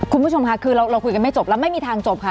คุณผู้ชมค่ะคือเราคุยกันไม่จบแล้วไม่มีทางจบค่ะ